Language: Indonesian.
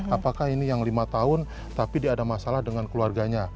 apakah ini yang lima tahun tapi dia ada masalah dengan keluarganya